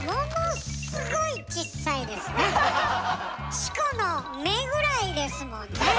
チコの目ぐらいですもんね！